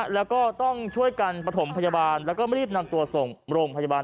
แล้วก็ต้องช่วยกันประถมพยาบาลแล้วก็รีบนำตัวส่งโรงพยาบาล